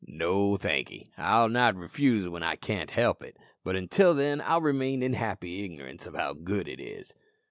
"No, thankee; I'll not refuse when I can't help it, but until then I'll remain in happy ignorance of how good it is."